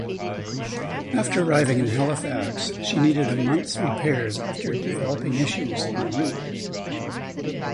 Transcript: After arriving at Halifax she needed a months repairs after developing issues en route.